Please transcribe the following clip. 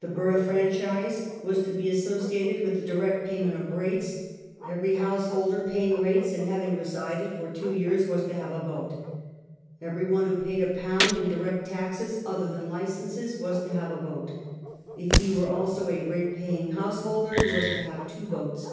The borough franchise was to be associated with the direct pay ment of rates ; every householder paying rates and having resided for two years was to have a vote ; every one who paid £1 in direct taxes (other than licenses) was to have a vote ; if he were also a rate paying householder he was to have two votes.